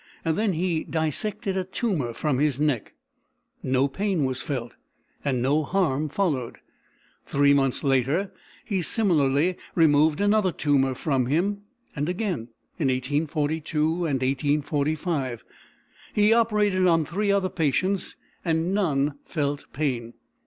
Then he dissected a tumour from his neck; no pain was felt, and no harm followed. Three months later, he similarly removed another tumour from him; and again, in 1842 and 1845, he operated on three other patients, and none felt pain.